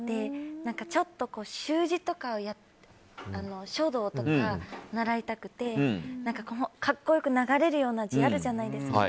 ちょっと習字とか書道とか習いたくて格好良く、流れるような字あるじゃないですか。